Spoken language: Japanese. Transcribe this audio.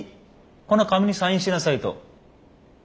この紙にサインしなさいと。